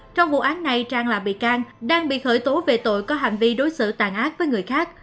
trong vụ án này trang là bị can đang bị khởi tố về tội có hành vi đối xử tàn ác với người khác